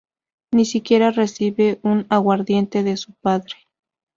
Ni siquiera recibe un aguardiente de su padre.